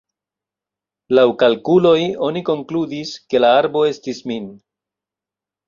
Laŭ kalkuloj, oni konkludis, ke la arbo estis min.